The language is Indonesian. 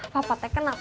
papa te kenapaings